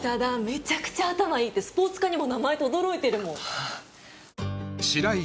めちゃくちゃ頭いいってスポーツ科にも名前とどろいてるもん白石